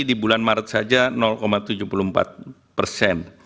di bulan maret saja tujuh puluh empat persen